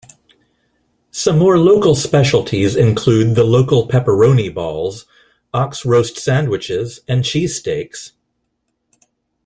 Some more local specialties include the local pepperoni balls, ox roast sandwiches, and cheesesteaks.